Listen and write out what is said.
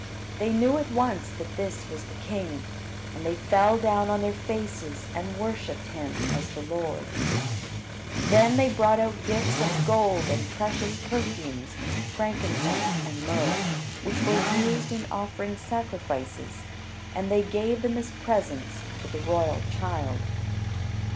They knew at once that this was the king; and they fell down on their faces and worshipped him as the Lord. Then they brought out gifts of gold and precious perfumes, frankincense and myrrh, which were used in offering sacrifices; and they gave them as presents to the royal child.